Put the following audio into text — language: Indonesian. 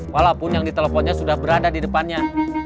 walaupun yang diteleponnya sudah berada di depannya